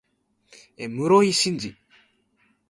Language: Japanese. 室井慎次